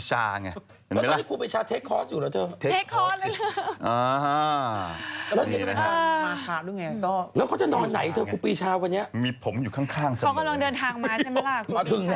แล้วเวลาเวชินไปนั่งเปิดชิงตั้งแต่๑๑โมงรอ